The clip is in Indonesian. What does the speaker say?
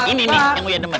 ini ini yang uya demen